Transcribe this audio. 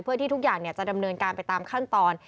เพื่อที่ทุกอย่างจะดำเนินการไปตามขั้นตอน